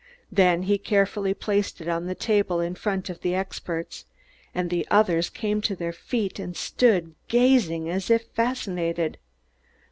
Then he carefully placed it on the table in front of the experts; the others came to their feet and stood gazing as if fascinated.